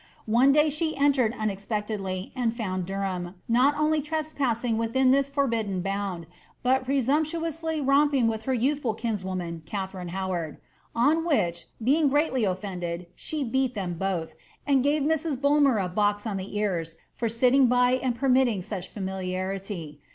One day she ramed unexpectedly, and found Derham, not only trespassing within this foi^ bidden bound, but presumptuously romping with her youthful kinswch man, Katharine Howard ; on which, being greatly ofllended, ahe beat them both ; and gave Mrs. Bulmer a box on the ean for sitting by aai permitting such familiarity.